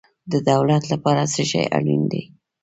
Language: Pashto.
د دولت لپاره څه شی اړین دی؟